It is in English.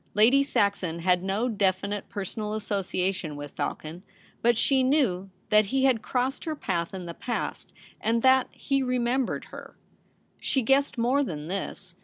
Lady Saxon had no definite per sonal association with Falcon, but she knew that he had crossed her path in the past, and that he remembered her. She guessed more than this.